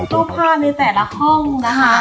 โทษภาพในแต่ละห้องนะคะ